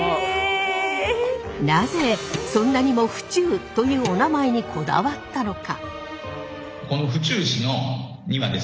なぜそんなにも府中というお名前にこだわったのか？